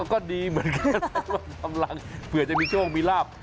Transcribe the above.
ก็ดีเหมือนกันหมดกำลังเผื่อจะมีโชคมีลาบ